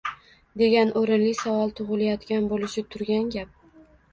degan o‘rinli savol tug‘ilayotgan bo‘lishi turgan gap.